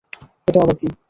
এটা আবার কী!